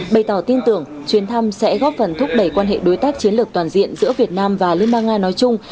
bày tỏ tin tưởng chuyến thăm sẽ góp phần thúc đẩy quan hệ đối tác chiến lược toàn diện giữa việt nam và liên bang nga nói chung